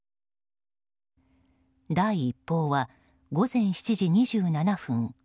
第一報は午前７時２７分。